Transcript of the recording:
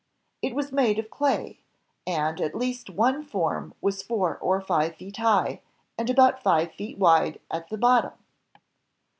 It was made of clay, and at least one form was four or five feet high and about five feet wide at the bottom.